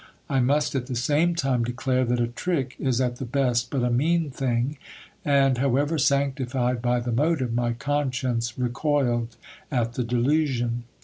I must at the same time declare that a trick is at the best but a mean thing, and, however sanctified by the motive, my conscience recoiled at the delusion.